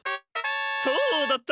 そうだった。